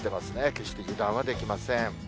決して油断はできません。